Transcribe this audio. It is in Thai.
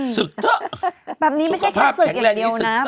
ศึกเถอะสุขภาพแข็งแรงนี้ศึกเถอะแบบนี้ไม่ใช่แค่ศึกอย่างเดียวนะ